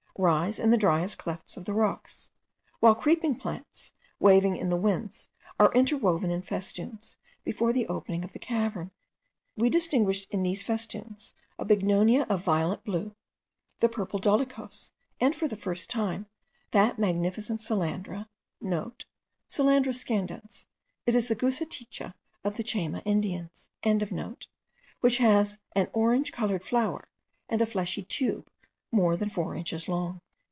rise in the driest clefts of the rocks; while creeping plants waving in the winds are interwoven in festoons before the opening of the cavern. We distinguished in these festoons a bignonia of a violet blue, the purple dolichos, and for the first time, that magnificent solandra,* (* Solandra scandens. It is the gousaticha of the Chayma Indians.) which has an orange coloured flower and a fleshy tube more than four inches long.